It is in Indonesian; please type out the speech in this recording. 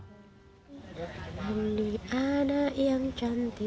honey anak yang cerdas